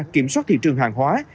kiểm soát thị trường hàng hóa